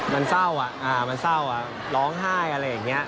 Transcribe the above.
มันเศร้าอะอ่ามันเศร้าอะร้องไห้อะไรอย่างเงี้ย